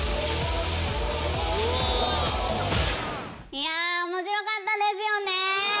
いや面白かったですよねぇ。